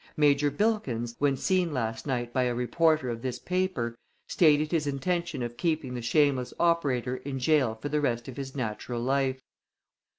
Major Bilkins, when seen last night by a reporter of this paper, stated his intention of keeping the shameless operator in jail for the rest of his natural life.